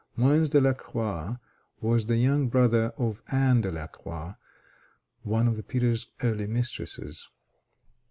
Moens de la Croix was the young brother of Anne de la Croix, one of Peter's early mistresses.